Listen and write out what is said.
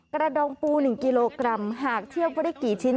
กระดองปู๑กิโลกรัมหากเทียบว่าได้กี่ชิ้น